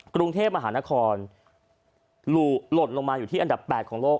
กรุงเทพมหานครหล่นลงมาอยู่ที่อันดับ๘ของโลก